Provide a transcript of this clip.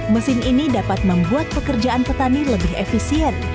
mesin ini dapat membuat pekerjaan petani lebih efisien